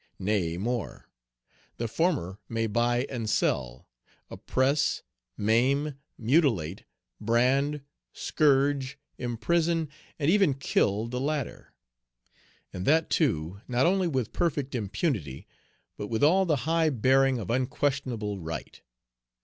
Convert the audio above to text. Nay, more; the former may buy and sell, oppress, maim, mutilate, brand, scourge, imprison, and even kill the latter; and that, too, not only with perfect impunity, but with all the high bearing of unquestionable right.